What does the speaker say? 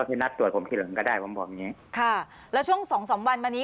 พี่นัดตรวจผมทีหลังก็ได้ผมบอกอย่างงี้ค่ะแล้วช่วงสองสามวันมานี้